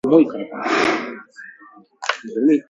The large, wooden table stood in the center of the room.